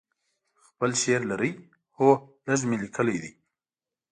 خپل شعر لرئ؟ هو، لږ ډیر می لیکلي ده